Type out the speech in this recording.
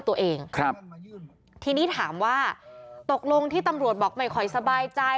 ตัวเองครับทีนี้ถามว่าตกลงที่ตำรวจบอกไม่ค่อยสบายใจ